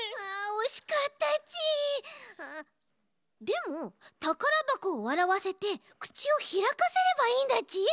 でもたからばこをわらわせてくちをひらかせればいいんだち。